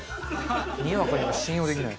にわかには信用できない。